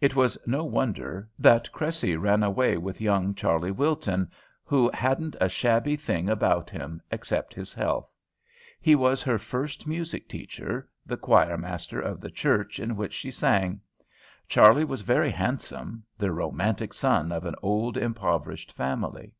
It was no wonder that Cressy ran away with young Charley Wilton, who hadn't a shabby thing about him except his health. He was her first music teacher, the choir master of the church in which she sang. Charley was very handsome; the "romantic" son of an old, impoverished family.